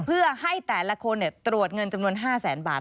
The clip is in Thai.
เพื่อให้แต่ละคนตรวจเงินจำนวน๕แสนบาท